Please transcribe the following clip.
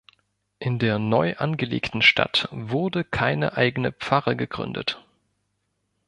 In der neu angelegten Stadt wurde keine eigene Pfarre gegründet.